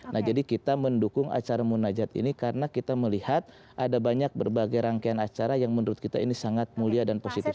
nah jadi kita mendukung acara munajat ini karena kita melihat ada banyak berbagai rangkaian acara yang menurut kita ini sangat mulia dan positif